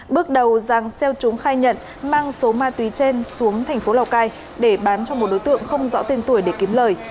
bước đầu giàng xeo trúng khai nhận mang số ma túy trên xuống thành phố lào cai để bán cho một đối tượng không rõ tên tuổi để kiếm lời